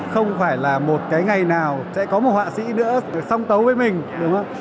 không phải là một cái ngày nào sẽ có một họa sĩ nữa song tấu với mình đúng không ạ